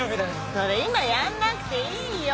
それ今やんなくていいよ。